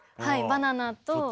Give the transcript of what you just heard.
はいバナナと。